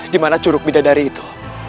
dimana curug bidadari itu